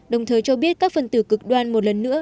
đồng thời cho biết các phần tử cực đoan một lần nữa